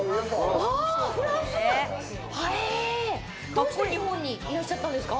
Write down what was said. どうして日本にいらっしゃったんですか？